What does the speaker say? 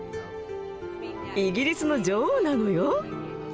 イギリスの女王なのよ？